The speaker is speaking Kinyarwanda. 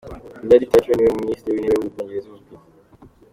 Lady Thatcher ni we Minisitiri wIntebe wu Bwongereza uzwi.